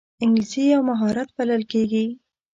انګلیسي یو مهارت بلل کېږي